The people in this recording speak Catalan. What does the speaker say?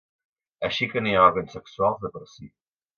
Així que no hi ha òrgans sexuals de per si.